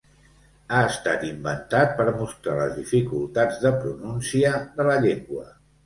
Ha estat inventat per mostrar les dificultats de pronúncia de la llengua.